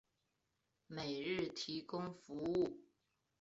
每日提供服务。